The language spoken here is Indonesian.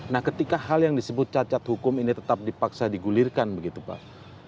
nah ketika hal yang disebut cacat hukum ini tetap dipaksa digulirkan begitu pak